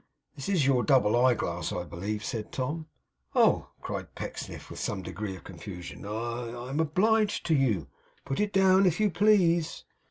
'This is your double eye glass, I believe?' said Tom. 'Oh!' cried Pecksniff, with some degree of confusion. 'I am obliged to you. Put it down, if you please.